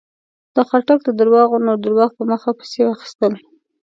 د خاټک درواغو نور درواغ په مخه پسې واخيستل.